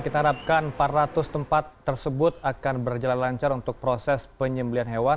kita harapkan empat ratus tempat tersebut akan berjalan lancar untuk proses penyembelian hewan